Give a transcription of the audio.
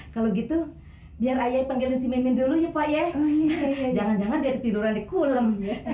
kalau gitu biar ayah panggilin si mimin dulu ya pak ya jangan jangan dia tiduran dikulem